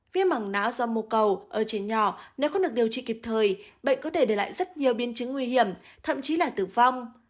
viêm mảng não do mô cầu ở trẻ nhỏ nếu không được điều trị kịp thời bệnh có thể để lại rất nhiều biến chứng nguy hiểm thậm chí là tử vong